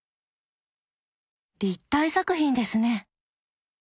立体作品ですね。